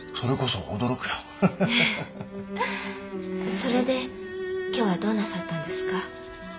それで今日はどうなさったんですか？